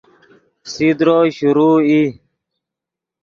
فسیدرو شروع ای